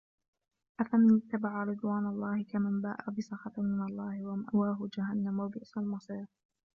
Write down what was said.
أفمن اتبع رضوان الله كمن باء بسخط من الله ومأواه جهنم وبئس المصير